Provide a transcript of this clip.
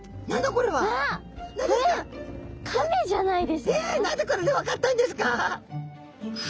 これえ何でこれで分かったんですか！？